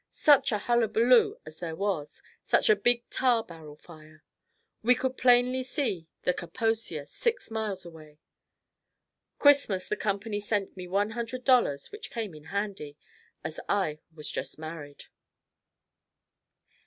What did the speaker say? Such a hullabaloo as there was such a big tar barrel fire. We could plainly see "Kaposia" six miles away. Christmas the company sent me one hundred dollars which came in handy, as I was just married.